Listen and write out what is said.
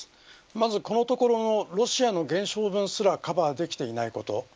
まず、このところのロシアの減少分すらカバーできていないこと。